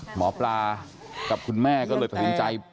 หมอปลากับคุณแม่ก็เลยประสิทธิ์ใจ